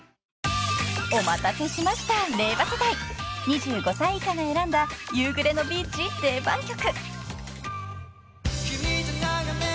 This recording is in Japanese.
［お待たせしました令和世代２５歳以下の選んだ夕暮れのビーチ定番曲］